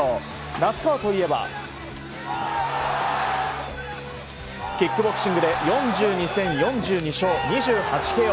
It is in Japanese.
那須川といえばキックボクシングで４２戦４２勝２８ＫＯ。